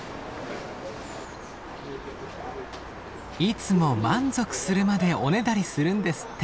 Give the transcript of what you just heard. いつも満足するまでおねだりするんですって。